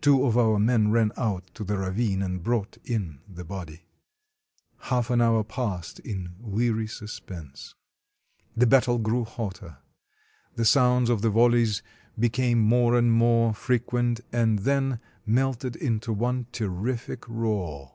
Two of our men ran out of the ravine and brought in the body. Half an hour passed in weary suspense. The battle grew hotter. The sounds of the volleys be came more and more frequent, and then melted into one terrific roar.